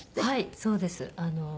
はいそうです。